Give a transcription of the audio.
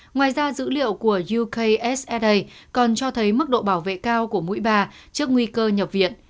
ngoài ra dữ liệu của youksa còn cho thấy mức độ bảo vệ cao của mũi bà trước nguy cơ nhập viện